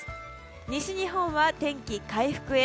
西日本は天気回復へ。